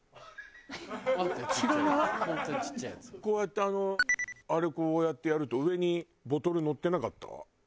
こうやってあのあれこうやってやると上にボトル乗ってなかった？